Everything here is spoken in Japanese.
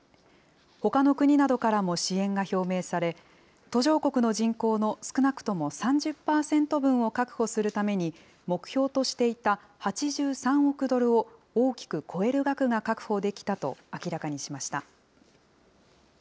ほかの国などからも支援が表明され、途上国の人口の少なくとも３０％分を確保するために、目標としていた８３億ドルを大きく超える額が確保できたと明らかにしました。